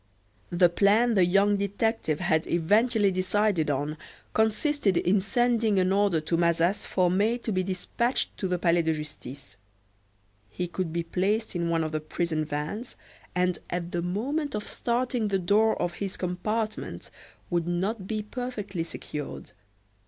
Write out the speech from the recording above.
The plan the young detective had eventually decided on consisted in sending an order to Mazas for May to be despatched to the Palais de Justice. He could be placed in one of the prison vans, and at the moment of starting the door of his compartment would not be perfectly secured.